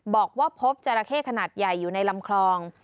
บอกว่าพบจราเข้ขนาดใหญ่อยู่ในลำคลอง